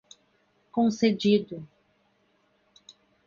concedido